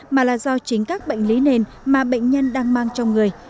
mà là do chính các bệnh lý nền mà bệnh nhân đang mang trong người